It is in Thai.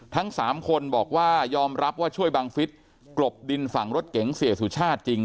ทั้งสามคนบอกว่ายอมรับว่าช่วยบังฟิศกลบดินฝั่งรถเก๋งเสียสุชาติจริง